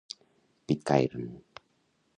Pitcairn.